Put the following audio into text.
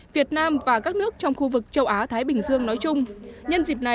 việt nam và các nước trong khu vực châu á thái bình dương nói chung